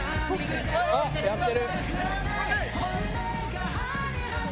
あっやってる！